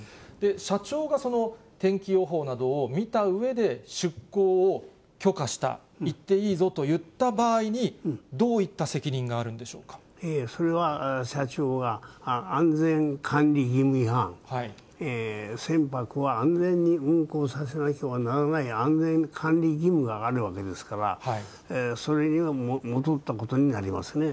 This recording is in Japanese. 社長がその天気予報などを見たうえで、出航を許可した、行っていいぞといった場合に、どういった責任があるんでしょうそれは、社長が安全管理義務違反、船舶は安全に運航させなければならない安全管理義務があるわけですから、それにはもとったことになりますね。